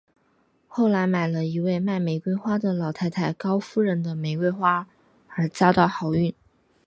后来买了一位卖玫瑰花的老太太高夫人的玫瑰花而交到好运。